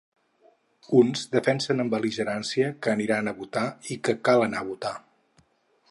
Uns defensen amb bel·ligerància que aniran a votar i que cal anar a votar.